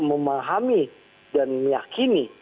memahami dan meyakini